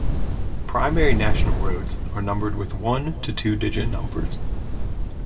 Primary national roads are numbered with one to two digit numbers.